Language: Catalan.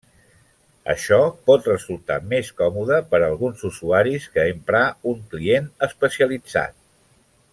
Això pot resultar més còmode per a alguns usuaris que emprar un client especialitzat.